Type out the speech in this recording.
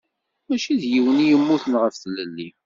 Mačči d yiwen i yemmuten ɣef tlelli.